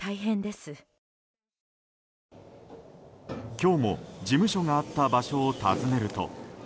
今日も事務所があった場所を訪ねると。